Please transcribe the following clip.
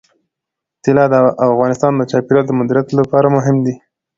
طلا د افغانستان د چاپیریال د مدیریت لپاره مهم دي.